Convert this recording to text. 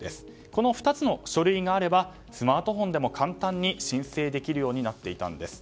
この２つの書類があればスマートフォンでも簡単に申請できるようになっていたんです。